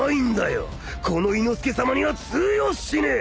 この伊之助さまには通用しねえ。